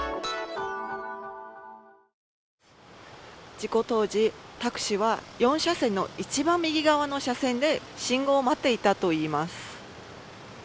事故当時、タクシーは４車線の一番右側の車線で信号を待っていたといいます。